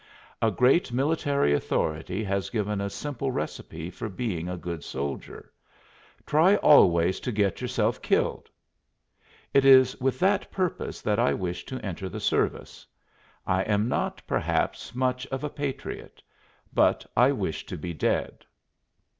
A great military authority has given a simple recipe for being a good soldier: 'Try always to get yourself killed.' It is with that purpose that I wish to enter the service. I am not, perhaps, much of a patriot, but I wish to be dead."